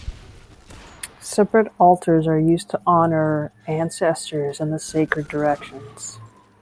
Separate altars are used to honor ancestors and the sacred directions.